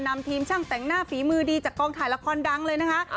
นำทีมช่างแต่งหน้าฝีมือดีจากกองถ่ายละครดังเลยนะคะ